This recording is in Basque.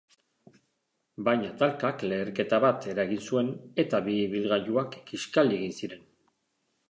Baina talkak leherketa bat eragin zuen, eta bi ibilgailuak kiskali egin ziren.